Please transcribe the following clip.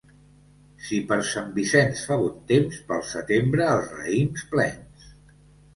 Si per Sant Vicenç fa bon temps, pel setembre els raïms plens.